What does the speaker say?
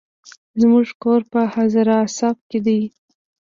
زموکور په هزاراسپ کی دي